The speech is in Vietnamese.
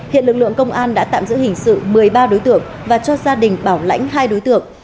hiện lực lượng công an đã tạm giữ hình sự một mươi ba đối tượng và cho gia đình bảo lãnh hai đối tượng